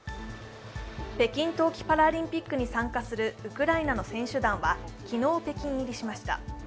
北京冬季パラリンピックに参加するウクライナの選手団は昨日、北京入りしました。